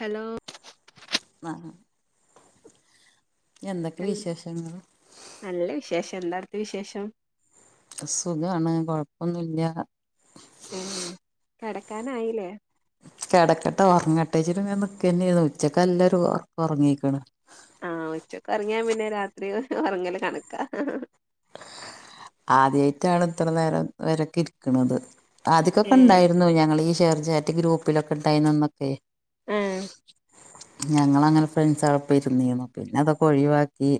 Hello [unintelligible] എന്തൊക്കെവിശേഷങ്ങൾ? നല്ല വിശേഷംഎന്താ അവിട്തേ വിശേഷം? സുഖാണ് കൊഴപ്പൊന്നുല്ല. ഹേഹ് കെടക്കാനായില്ലേ? കെടക്കെട്ടേ ഒറങ്ങട്ടേച്ചിട്ട്ങ്ങനെ നിക്കെന്നു ഉച്ചക്കല്ലൊരു ഒറക്കം ഒർങ്ങീക്ക്ണ്. ആഹ് ഉച്ചക്ക്ഒർങ്ങിയാപിന്നെ രാത്രി ഒർങ്ങല്കണക്കാ. ഹ ഹ ആദ്യയിട്ടാണ് ഇത്രനേരം വരൊക്കെ ഇരിക്ക്ണത്. ഏ ആദിക്കൊക്കെ ഇണ്ടായിരുന്നു ഞങ്ങളീ ഷെയ്ർചാറ്റ് ഗ്രൂപ്പിലൊക്കെ ഇണ്ടായിരുന്നന്നൊക്കെ. ഏഹ് ഞങ്ങളങ്ങനെ ഫ്രണ്ട്സാളപ്പോ ഇരുന്നീന്നു പിന്നതൊക്കെ ഒഴിവാക്കി.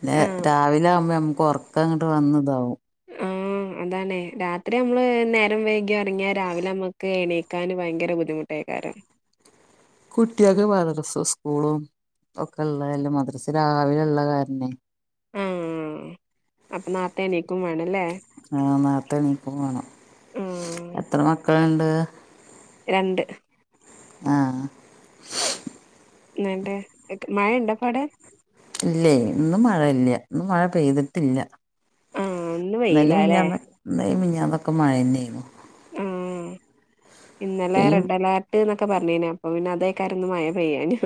പിന്നേ ആ രാവിലെആകുമ്പോ ഞമ്മക്ക് ഒർക്കങ്ങട്ട് വന്ന് ഇതാവും. ഉം അതാണ് രാത്രിഅമ്മള് നേരംവൈകി ഉറങ്ങിയാൽ രാവിലെ അമ്മക്ക് എണീക്കാന് ഭയങ്കരബുദ്ധിമുട്ടയ്ക്കാരിം. കുട്ടിയാക്ക് മദ്രസും ഉസ്കൂളും ഒക്കെ ഇള്ളതല്ലേ മദ്രസ്ര രാവിലെ ഇള്ളെ കാരണേ ഉം അപ്പൊ ന്നാർത്തെ എണീക്കും വാണംലേ. ആഹ് ന്നാർത്തെ എണീക്കുംവാണം ആ എത്രമക്കളുണ്ട്? രണ്ട്. ആഹ്. ന്നട്ട് ഇക് മയണ്ടോപ്പവുടെ? ഇല്ലേയ് ഇന്നും മഴയില്ല്യാ ഇന്ന്മഴ പെയ്തിട്ടില്ല. ആ ഇന്ന് വെയിലാല്ലേ ഇന്നെലിമിഞ്ഞാന്നൊക്കെ ഇന്നെലിമിഞ്ഞാന്നൊക്കെ മയെന്നെആർന്നു. ആഹ് ഇന്നലെ പെയ്യും റെഡ്അലേർട്ട്. ട്ട്ന്നൊക്കെ പറഞ്ഞീനിം അപ്പൊപിന്നെ അതെയ്ക്കാരിം ഇന്ന് മഴപെയ്യാഞ്ഞു.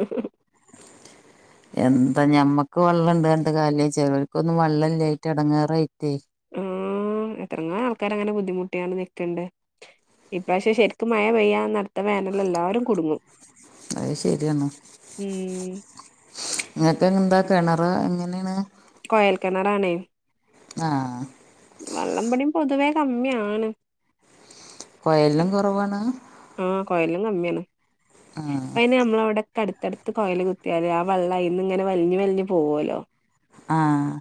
എന്താഞമ്മക്ക് വള്ളംണ്ട് പർഞ്ഞിട്ട്കാര്യല്ല്യാ ചേലോൽക്കൊന്നും വള്ളല്ലായിട്ട് എടങ്ങേറായിട്ടേയ്. ഉം എത്രങ്ങാനും ആൾക്കാര് അങ്ങനെ ബുദ്ധിമുട്ടിയാണ്ട് നിക്ക്ണ്ട്. ഇപ്രാവിശ്യം ശെരിക്ക് മഴപെയ്യാന്നട് അഹ് ശെരിയാണ്. ഉം ഇങ്ങക്ക്എന്താ കെണറ് എങ്ങനെണ്? കൊയൽ കെണറാണ്. ആഹ് വള്ളംഇബടിം പൊതുവേകമ്മിയാണ് വയൽലും കൊറവാണ്. ആഹ് കൊയല്ലുംകമ്മിയാണ് ആഹ് ഇപ്പയ്ന് ഞമ്മളെഅവ്ടേ ക്കെഅടുത്തടുത്ത് കൊയൽ കുത്തിയാല് ആഹ് വള്ളം അയിൽന്ന് ഇങ്ങനെ വലിഞ് വലിഞ് പോവോലോ ആഹ്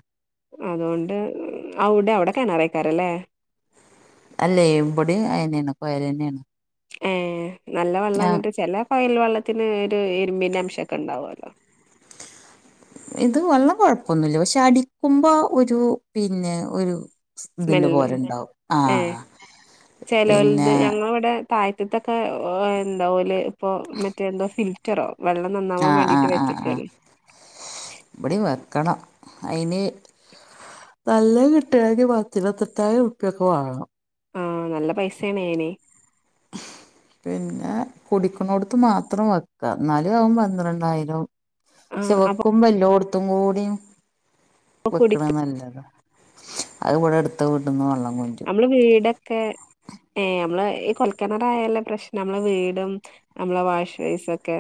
അതോണ്ട് അവുടെ അവുടെ കെണറക്കാരിംലേ അല്ലേയ് ഇവടിം അയെന്നെണ് കൊയലെണ്. ഏഹ് ന്നല്ലെ വള്ളന്നിട്ട് ചെലെ കൊയൽ വെള്ളത്തിന് ഒര് ഇര്മ്പിന്റെ അംഷക്കെ ഇണ്ടാവല്ലോ ഇത് വള്ളം കൊഴപ്പൊന്നുല്ല പക്ഷെ അടിക്കുമ്പോ ഒരു പിന്നെ ഒരു ഇതിന്റെ സ്മെല്ല പോലെണ്ടാവും ഏ ആഹ് ചെലോലത് പിന്നെ ഞങ്ങള ഇവിടെ താഴത്തത്തൊക്കെ എന്താലെ ഇപ്പൊ മറ്റേ എന്താ ചറ്ററോ വെള്ള നന്നാവാൻ വേണ്ടീട്ട് വെച്ചക്കാണ് ഇവിടെ വെക്കണം അയിന് നല്ല കിട്ടുകെ പത്തിര തെട്ടായ ഉറുപ്പിയൊക്കെ വാങ്ങണം ആഹ് നല്ല പൈസയാണ് അഹ് പിന്നെ കുടിക്കണടുത്ത് മാത്രം വെക്കു ന്നാലും ആകും പന്ത്രണ്ടായിരം ആഹ് അപ്പൊ വെക്കുമ്പോ എല്ലോടത്തും കൂടും കുടി വെക്കണ നല്ലത് അത് ഇവിടെ എടുത്ത വീട്ടന്ന് വള്ളം കൊണ്ടു നമ്മള് വീടൊക്കെ ഏ നമ്മള് ഈ കൊൽക്കണറായല്ല പ്രശ്നം നമ്മള് വീടും നമ്മളെ വാഷ് ബൈസൊക്കെ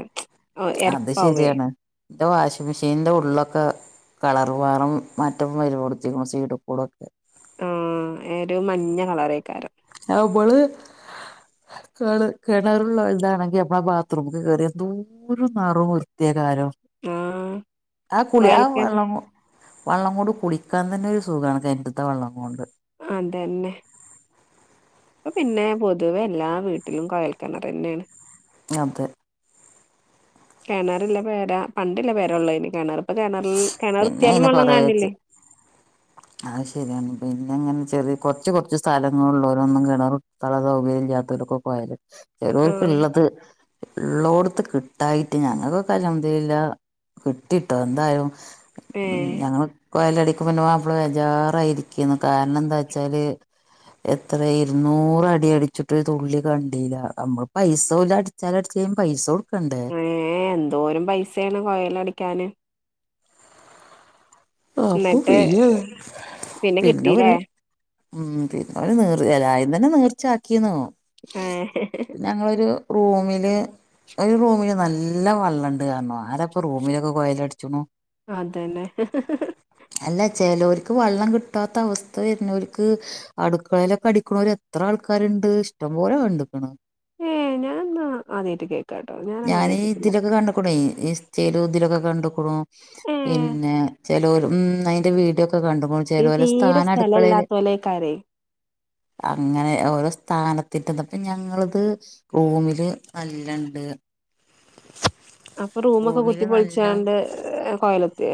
എരപ്പാവേ ഇൻ്റെ വാഷിംഗ് മെഷീനിന്റെ ഉള്ളിലൊക്കെ കളർ മാറും മറ്റം വരു കൊടുത്തിക്കുന്നു സീഡ് കൂടൊക്കെ ആഹ് ഒരു മഞ്ഞ കളറേക്കാരം അപ്പോള് കേള് കിണറുള്ള ആളതാണെങ്കി നമ്മള ബാത്റൂമ്ക്ക് കയറി എന്തോ ഒരു നിറു വൃത്തിയ കാലോ ആഹ് ആഹ് കുളി ആഹ് കൊഴൽക്കിണ വെള്ളം വള്ളം കൊണ്ട് കുളിക്കാൻ തന്നെ ഒരു സുഖമാണ് കെണറ്റത്തെ വെള്ളം കൊണ്ട് അതന്നെ അപ്പ പിന്നെ പൊതുവെ എല്ലാ വീട്ടിലും കോയൽക്കിണർ തന്നെയാണ് അതെ കിണറില്ല പേരാ പണ്ടില്ല പേരള്ള ഇന് കിണർ ഇപ്പ കിണറിൽ പിന്നെ കിണർത്തിയാലും അയിന് വെള്ളം കൊറേച്ച് കാണില്ലേ [inaudible] അത് ശരിയാണ് പിന്നെ അങ്ങനെ ചെറിയ കുറച്ച് കൊറച്ച് സ്ഥലങ്ങളള്ളഓരോന്നും കിണറ സ്ഥല സൗകര്യൽ ജാത്തകർക്കൊ പോയാലും ആഹ് ചിലവർക്കള്ളത് ഉള്ളോടത്ത് കിട്ടായിട്ട് ഞങ്ങൾക്കൊക്കെ കലമതില്ല കിട്ടിയിട്ടോന്ന് [unintelligible] ഉം ഏഹ് ഞങ്ങള് കൊലടക്ക് പിന്നെ അവപ്പള് ബേജാറായിരിക്കുന്നു കാരണം എന്താ വെച്ചാല് എത്ര ഇരുന്നൂറ് അടി അടിച്ചിട്ട് തുള്ളി കണ്ടല്ല നമ്മള് പൈസ പോലടി ച്ചിലെല്ല പൈസ കൊടുക്കണ്ട് ഏ എന്തോരം പൈസയാണ് കോയൽ അടിക്കാന് അപ്പൊ എന്നിട്ട് പയ്യ പിന്നെ ഒരുര് ഉം പിന്നെ അവ നീർച്ചായം തന്നെ നീർച്ചാക്കിന്നോ ആഹ് ഞങ്ങളൊരു റൂമില് ഒരു റൂമില് നല്ല വള്ളുണ്ട് കാരണം ആരപ്പോ റൂമിലൊക്കെ കോല അടിച്ചണു അതന്നെ അല്ല ചിലവർക്ക് വെള്ളം കിട്ടാത്ത അവസ്ഥ വരുന്നവർക്ക് അടുക്കളയിലൊക്കെ അടിക്കണവര് എത്ര ആൾക്കാരുണ്ട് ഇഷ്ടം പോലെ കണ്ടക്കണ് ഏഹ് ഞാൻന്നാ ആദ്യായിട്ട് കേക്കാട്ടോ ഞാനങ്ങനെ ഞാൻ കേട്ടിട്ടില്ല ഇതിലൊക്കെ കണ്ട്ക്ക ചെയ്തു ഇതിലൊക്കെ കണ്ട്ക്ക്ണു. ഏഹ് പിന്നെ, ചെലോല് ഉം അയിന്റെ വീഡിയോക്കെ കണ്ട് [unintelligible] ഈ ചേലോല തീരെ സ്ഥാന അടുക്കളേല്. സ്ഥലല്ലാത്തോലേക്കാരെ അങ്ങനെ ഓരോ സ്ഥാനത്തിന്റത് ഇപ്പ ഞങ്ങൾത് റൂമില് അല്ലണ്ട് അപ്പ റൂമൊക്കെ കുത്തി റൂമില് നല്ല പൊളിച്ചാണ്ട് കൊയലുത്തെ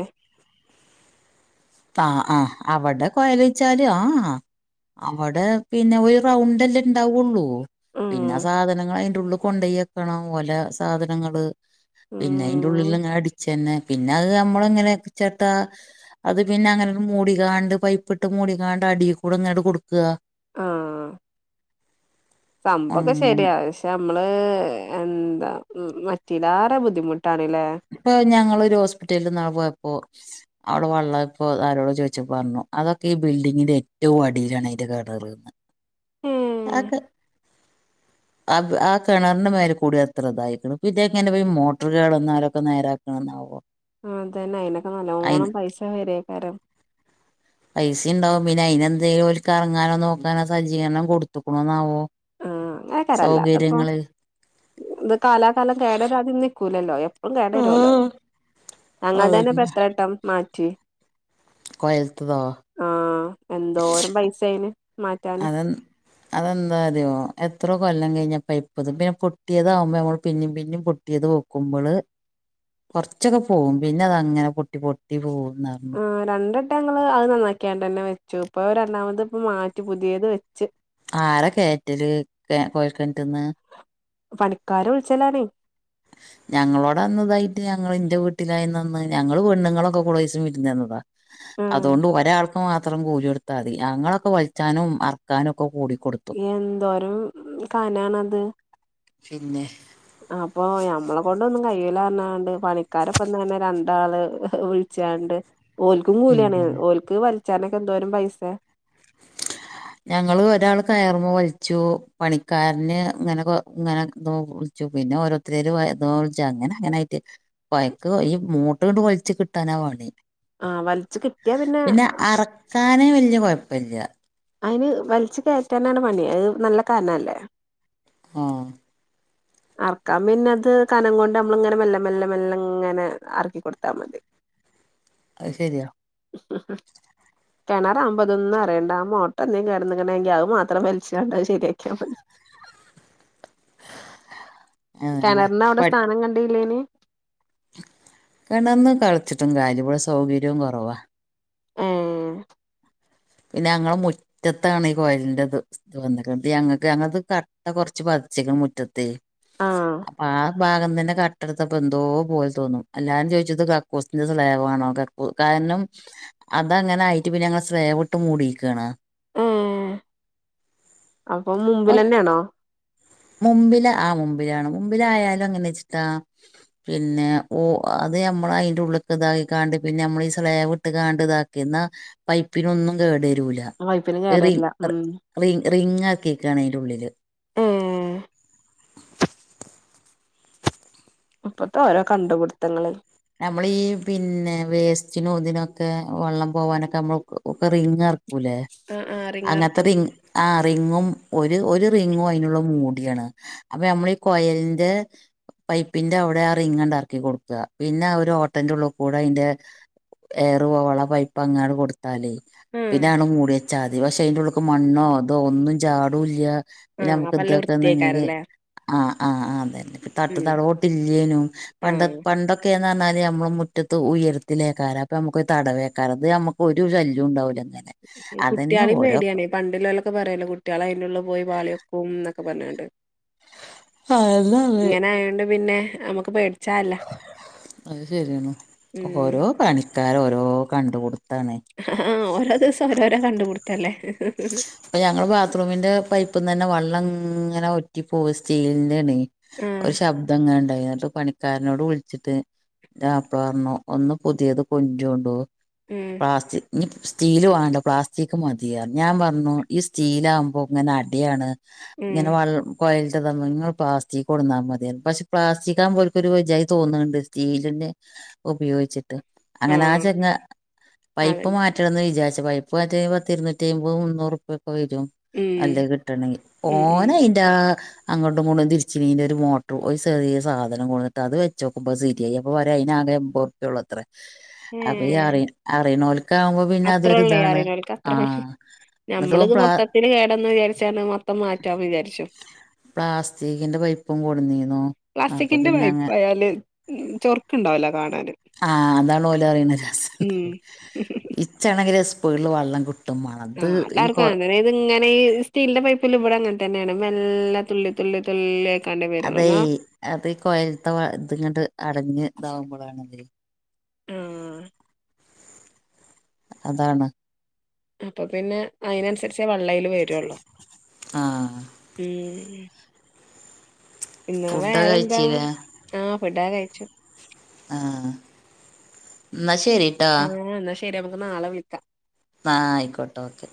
ത ആഹ് അവിടെ കൊയലെച്ചാല് ആഹ് അവിടെ പിന്നെ ഒരു റൗണ്ടല്ല ഇണ്ടാവുള്ളൂ. പിന്നെ ആഹ് സാധനങ്ങള് അയിന്റെ ഉള്ള് കൊണ്ടയക്കണം ഓല സാധനങ്ങള്. പിന്നെ അയിന്റെ ഉം ഉള്ളിലങ്ങനെ അടിച്ച്ന്നെ പിന്നെ അയ് നമ്മള്ങ്ങനെ [unintelligible] അത് പിന്നെ അങ്ങനെട് മൂടിക്കാണ്ട് പൈപ്പ്ട്ട് മൂടികാണ്ട് അടീൽ കൂടി ഒന്നാണ്ട് കൊട്ക്ക്. ആഹ് സംഭവൊക്കെ അങ്ങനെ ശെരിയാ പഷെ ഇപ്പ നമ്മള് എന്താ മറ്റീലാറെ ബുദ്ധിമുട്ടാണ്ല്ലേ ഇപ്പൊ ഞങ്ങളൊരു ഹോസ്പിറ്റൽല് ഇന്നാള് പോയപ്പോ അവിടെ വെള്ളം ഇപ്പോ ആരോട ചോയിച്ചപ്പ പറഞ്ഞു അതൊക്കെ ഈ ബിൽഡിങ്ങിന്റെ ഏറ്റവും അടിയിലാണ് അയിന്റെ കെണറ്. ഉം ആക്ക് ആപ്പ് ആ കിണറിന്റെ മേല് കൂടി അത്ര ഇതായിക്ക്ണ്. പിന്നെ എങ്ങനെ ഇപ്പ ഈ മോട്ടറ് കേടന്നാലോ ഇപ്പ നേരാക്ക്ണെന്നാവോ? ആ അതന്നെ അയിനൊക്കെ നല്ലോണം പൈസ വെര്യ്ക്കാരം. പൈസിം ഇണ്ടാവും പിന്നെ അയിനെന്തേലും ഓൽക്കെറങ്ങാനോ നോക്കാനോ സജ്ജീകരണം കൊട്ത്ത് ക്ക്ണൊന്നാവോ? ഉം അങ്ങനെക്കാരല്ല അല്ലാതപ്പോ ഇത് കാലാകാലം കേടരാതിം നിക്കൂലല്ലോ എപ്പളും കേടരുല്ലോ ആഹ് ഞങ്ങൾതന്നെ ഇപ്പം അതന്നെ എത്രെട്ടം മാറ്റി. കൊയൽത്തതോ ആഹ് എന്തോരം പൈസായിന് മാറ്റാന്. അതെ അതെന്താ അറിയോ? എത്രോ കൊല്ലം കഴിഞ്ഞാൽ പൈപ്പതു പിന്നെ പൊട്ടിയതാവുമ്പോ നമ്മള് പിന്നിം പിന്നിം പൊ ട്ടിയത് വെക്കുമ്പള് കൊർച്ചൊക്കെ പോവും. പിന്നെ അതങ്ങനെ പൊട്ടി പൊട്ടി പോവുംന്നർഞ്ഞ്. ആ രണ്ടട്ടങ്ങള് അഹ് നന്നാക്കിയാണ്ടന്നെ വെച്ചു. ഇപ്പൊ അഹ് രണ്ടാമത് ഇപ്പ മാറ്റി പുതിയത് വെച്ച്. ആര കേറ്റല് കെ കൊയൽ കെൻറ്റ്ന്ന്? പണിക്കാര വിൾച്ചലാണേ. ഞങ്ങളോടെ അന്ന് ഇതായിട്ട് ഞങ്ങള് ഇന്റെ വീട്ടിലായിന്ന അന്ന് ഞങ്ങള് പെണ്ണുങ്ങളൊക്കെ കൊളേസ് വിര്ന്ന് വന്നതാ. ആഹ് അതോണ്ട് ഒരാൾക്ക് മാത്രം കൂലിയൊ ട്ത്താതി. ഞങ്ങളൊക്കെ വലിച്ചാനും അർക്കാനും ഒക്ക കൂടി കൊട് എന്തോരം കനാണത്. പിന്നെ അപ്പൊ ഞമ്മളെ കൊണ്ടൊന്നും കയ്യൂലർഞ്ഞാണ്ട് പണിക്കാരപ്പം തന്നെ രണ്ടാള് വിളി ച്ചാണ്ട് ഓൽക്കും കൂലിയാണ്. ഉം ഓൽക്ക് വലിച്ചാനൊക്കെ എന്തോരം പൈസെ. ഞങ്ങള് ഒരാള് കയറ്മ വൽച്ചു. പണിക്കാരന് ഇങ്ങനെ കൊ ഇങ്ങനെ [unintelligible] പിന്നെ ഓരോരുത്തര് [unintelligible] അങ്ങനെ അങ്ങനായിറ്റ് പൈക്ക് ഈ മൂട്ട്ണ്ട് വൽച്ച് കിട്ടാനാ പണി. ആ വലിച്ചു കിട്ടിയാ പിന്നെ അറക്കാനേ വല്ല്യ കൊഴപ്പെല്ല. അയിന് വലിച്ചു കയറ്റാനാണ് പണി അഹ് നല്ല കനല്ലേ. ആഹ് അറക്കാം പിന്നെ അത് കനം കൊണ്ട് നമ്മള് ഇങ്ങനെ മെല്ലെ മെല്ലെ മെല്ല ഇങ്ങനെ അറക്കി കൊട്ത്താ മതി. അഹ് ശെരിയ ആ കെണറാവുമ്പ അതൊന്നു അറിയണ്ട. ആ മോട്ടോന്തെങ്കി കേടെന്ന്ണെങ്കിൽ അത് മാത്രം വലിച്ചാണ്ട് അഹ് ശെ രിയാക്കിയ മതി അതന്നെ കെണർന് അവിടെ സ്ഥാനം കണ്ടീല്ലേനി. കെണറ്ന്ന് കളിച്ചിട്ടും [unintelligible] ഇവിടെ സൗകര്യം കൊറവാ. ഏ പിന്നെ അങ്ങളെ മുറ്റത്താണ് ഈ കൊയലിന്റെ ഇത്. ഇത് വന്ന്ക്ക്ണ്. ഇത് ഞങ്ങക്ക് ഞങ്ങൾത് കട്ട കൊർച്ച് പതിച്ച്ക്ക്ണ് മുറ്റത്ത് ആ അപ്പ ആ ഭാഗം തന്നെ കട്ടട്ത്ത പോ എന്തോ പോലെ തോന്നും എല്ലാരും ചോദിച്ചത് കക്കൂസിന്റെ സ്ലേവ ആണോ ക കാരണം അതങ്ങനെ ആയിട്ട് പിന്നെ ഞങ്ങള് സ്ലേവ് ഇട്ട് മൂടിയിരിക്കാണ് ഏ അപ്പൊ മുമ്പിൽ തന്നെയാണോ മുമ്പില് ആ മുമ്പിലാണ് മുമ്പില ആയാലും അങ്ങനെ വെച്ചിട്ടാ പിന്നെ ഓ അത് നമ്മൾ അതിന്റെ ഉള്ളിൽക്ക് ഇതാക്കി കാണ്ട് പിന്നെ നമ്മൾ ഈ സ്ലാബ് ഇട്ട് കാണ്ട് ഇതാക്കി ക്കെ എന്നാ പൈപ്പിനൊന്നും കേട് വരൂല പൈപ്പിന് റി കേടരില്ല ഉം റി റിങ്ങ ആക്കിക്കാണ് അതിന്റെ ഉള്ളില് ഏഹ് ഇപ്പത്തെ ഓരോ കണ്ടുപിടുത്തങ്ങളെ നമ്മള ഈ പിന്നെ വേസ്റ്റിനും ഇതിനൊക്കെ വെള്ളം പോവാനൊക്കെ നമ്മൾ ഒക്കെ റിങ് എറ ലെ ആഹ് ആഹ് അങ്ങൻത്തെ റിങ്ങർക്കും റിങ്ങ് ആ റിങ്ങും ഒരു ഒരു റിങ്ങും അതിനുള്ള മൂടിയാണ് അപ്പൊ നമ്മളീ ഈ കോയലിന്റെ പൈപ്പിന്റെ അവിടെ ആ റിംഗ് ആട്ട് എറക്കി കൊടുക്കാ പിന്നെ ആ ഒരു ഓട്ടന്റെ ഉള്ളിൽ കൂടെ അതിന്റെ എയറു പോവാൻ ള്ള പൈപ്പ് അങ്ങാണ് കൊടുത്ത് ല്ലേ ആഹ് പിന്നെ ആണ് മൂടിയച്ചാതി പക്ഷെ അയിന്റെറെ ഉള്ളിക്ക് മണ്ണോ അതോ ഒന്നും ചാടുല്യ പിന്നെ ആഹ് അപ്പ നമുക്ക് നല്ല ഇതൊക്കെന്നിൽ വൃത്തിയേക്കാരല്ലേ ആഹ് ആഹ് അതന്നെ ഇപ്പ തട്ട് ഉം തടോട്ട് ഇല്ലേനും പണ്ട ആഹ് പണ്ടൊ ഒക്കന്ന് പറഞ്ഞാല് നമ്മൾ മുറ്റത്ത് ഉയരത്തിലേക്കാറ് അപ്പ നമുക്ക് തടവേക്കാറ്ത് നമുക്ക് ഒരു ശല്യവും ഉണ്ടാവില്ലാലും കുട്ട്യാളിം പേടിയാണ് പണ്ടില്ലലൊക്കെ പറയല്ലോ കുട്ടികളെ അതിനുള്ളിൽ പോയി പാളിയൊക്കുംന്നൊക്കെ പറഞ്ഞാണ്ട് അതെ അതെ ഇങ്ങനെ ആയോണ്ട് പിന്നെ നമ്മക്ക് പേടി അത് ശരിയാണ് ഓരോ ഉം പണിക്കാര ഓരോ കണ്ട പുടുത്താണ് ആഹ് ഓരോ ദിവസം ഓരോരോ കണ്ട് പുടുത്തല്ലേ അപ്പൊ ഞങ്ങ ബാത്റൂമിന്റെ പൈപ്പിൽ നിന്ന് തന്നെ വെള്ളം ഇങ്ങനെ ഒറ്റി പോവും സ്റ്റീലിന്റെണ ആഹ് ഒരു ശബ്ദം അങ്ങനെ ഉണ്ടായി എന്നിട്ട് പണി കാരനോട് വിളിച്ചിട്ട് ഇന്റെ മാപ്പള പറഞ്ഞു ഒന്ന് പുതിയത് കൊണ്ട്രണ്ടൂ ഉം പ്ലാസ്റ്റി ഇനി സ്റ്റീൽ വേണ്ട പ്ലാസ്റ്റിക്ക് മതിയ ഞാൻ പറഞ്ഞു ഈ സ്റ്റീലാ ആകുമ്പോ ഇങ്ങനെ അടിയാണ് ഇങ്ങനെ ഉം വ കൊയലി തമ്മ നിങ്ങള് പ്ലാസ്റ്റിക്ക് കൊടുന്നാൽ മതിയ പക്ഷെ പ്ലാസ്റ്റി ആക്പ പോലക്ക ഒരുജായി തോന്നുന്നുണ്ട് സ്റ്റീലിന്റെ ഉപയോഗിച്ചിട്ട് അങ്ങനെ ആ ആഹ് ചങ്ങ പൈപ്പ് അതന്നെ മാറ്റണംന്ന് വിചാരിച്ച പൈപ്പ് മാറ്റ്പന്ന് എറ്റ്പത് മുന്നൂറുപ്യ ഒക്കെ വരും ഉം നല്ല കിട്ടണെങ്കിൽ ഉം ഓന ഉം അയിന്റെ ആ അങ്ങോട്ടും ഇങ്ങട്ടും തിരിച്ച് അയിന്റെ ഒരു മോട്ടർ ചെറിയ സാധന കൊണ്ടോന്ന്‌ട്ട് അത് വെച്ചോക്ക്സാ ശരിയായി അപ്പോ വരെ അതിന് ആകെ പ്യ ഉള്ളൂ അത്രേ അത് അറിനോൽ കാവുമ്പൊ പി അത്ര ഉള്ളൂ അറിനോൽക്ക് അത്ര മതി എന്നിട്ട് നമ്മ ഓൻ ഇത് പ്ലാ മൊത്തത്തിന് കേടന്ന് വിചാരിച്ച മൊത്തം മാറ്റാന്ന് വിചാരിച്ചു പ്ലാസ്റ്റിക്കിന്റെ പൈപ്പും കൊടുന്നീന്നു അപ്പൊ പ്ലാസ്റ്റിക്കിന്റെ പിന്നെ അങ്ങെ പൈപ്പായാല് ഉം ചൊറുക്കുണ്ടാവൂലാ കാണാന് ആ അതാണ് ഓല അറിയുന്ന രസം ഉം ഉണ്ടാവ ഇച്ചാണങ്കി സ്‌പീട്‌ല് വെള്ളം കിട്ടുമാണം ആഹ് എല്ലാർക്കും അങ്ങ ഇത് ഇങ്ങനെ ഈ സ്റ്റീലിന്റെ പൈപ്പിൽ ഇവിടെ അങ്ങനെ തന്നെയാണ് മെല്ലെ തുള്ളി തുള്ളി തുള്ളി അതെ അത് കോയയില്ത്തെ ഇത് ങ്ങട്ട് അടഞ്ഞ് ഇതാവുമ്പോഴാണ് അതേ ആഹ് അതാണ് അപ്പൊ പിന്നെ അതിനനുസരിച്ചേ വെള്ള അയില്‌ വരുള്ളൂ ആഹ് ഉം ഇന്നാ ഫുഡൊക്കെ വേറെന്താ കഴിച്ചില്ലേ ആഹ പിടാ കഴിച്ചു ആഹ്എന്നാ ശരി ആഹ് എന്നാ ശരി നമുക്ക് നാളെ വിളിക്കാം ആ ആയിക്കോട്ടോ ഓക്കെ